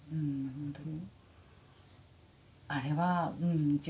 本当に。